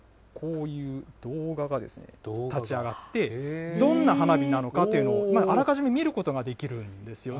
こういう動画が立ち上がって、どんな花火なのかというのをあらかじめ見ることができるんですよね。